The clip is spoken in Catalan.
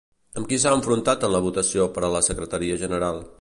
Amb qui s'ha enfrontat en la votació per a la secretaria general?